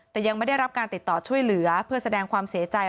แต่ยังไม่ได้รับการติดต่อช่วยเหลือเพื่อแสดงความเสียใจ